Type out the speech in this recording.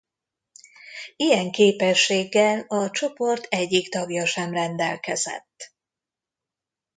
Ilyen képességgel a csoport egyik tagja sem rendelkezett.